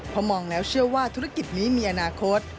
พอมองแล้วเชื่อว่าธุรกิจนี้มีอนาคต